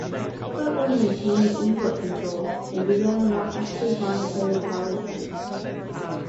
Butler maintained import controls and began a more active monetary policy.